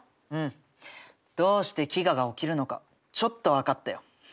うん。どうして飢餓が起きるのかちょっと分かったよ。